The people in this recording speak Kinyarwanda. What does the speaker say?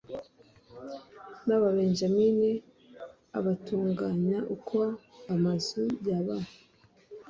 n ababenyamini abatunganya uko amazu ya ba